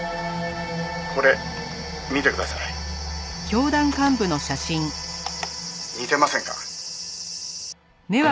「これ見てください」「」「似てませんか？」